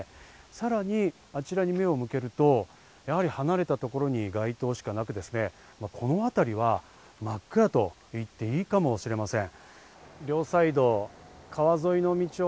さらにあちらに目を向けると、やはり離れたところに街灯しかなく、この辺りは真っ暗と言っていいかもしれません。